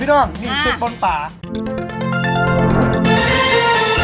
พี่น้องนี่สุดบนป่า